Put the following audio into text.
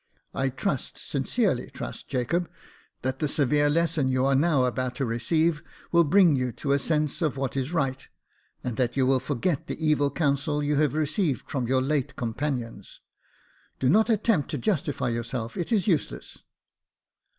I trust, sincerely trust, Jacob, that the severe lesson you are now about to receive will bring you to a sense of what is right, and that you will forget the evil counsel you have received from your late companions. Do not attempt to justify yourself; it is useless."